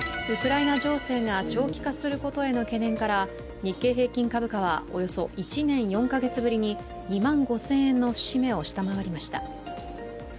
ウクライナ情勢が長期化することへの懸念から日経平均株価はおよそ１年４カ月ぶりに２万５０００円の節目を下回りました。